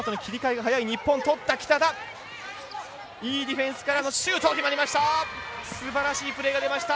北田、いいディフェンスからシュート、決まりました。